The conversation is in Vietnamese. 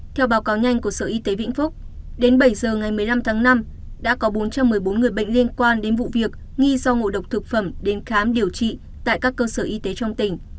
theo báo cáo nhanh của sở y tế vĩnh phúc đến bảy giờ ngày một mươi năm tháng năm đã có bốn trăm một mươi bốn người bệnh liên quan đến vụ việc nghi do ngộ độc thực phẩm đến khám điều trị tại các cơ sở y tế trong tỉnh